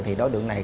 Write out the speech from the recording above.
thì đối tượng này